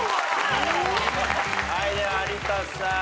はいでは有田さん。